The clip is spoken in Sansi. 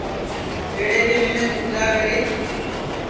پیڑے کے منکھ ٻوجھا کرے